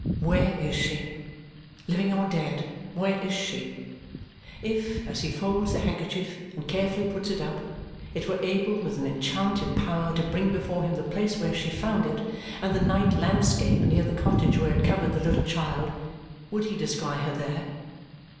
Where is she? Living or dead, where is she? If, as he folds the handkerchief and carefully puts it up, it were able with an enchanted power to bring before him the place where she found it and the night landscape near the cottage where it covered the little child, would he descry her there?